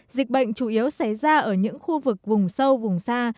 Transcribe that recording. dịch bệnh chủ yếu xảy ra ở những khu vực vùng sâu vùng xa